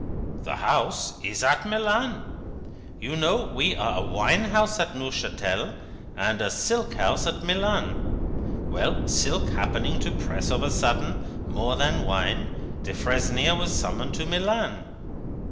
"The House is at Milan. You know, we are a Wine House at Neuchatel, and a Silk House at Milan? Well, Silk happening to press of a sudden, more than Wine, Defresnier was summoned to Milan.